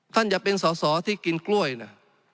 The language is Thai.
ท่านอยากเป็นสอที่กินกล้วยนะ